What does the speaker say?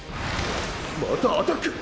またアタック！